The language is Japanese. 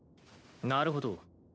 なるほど。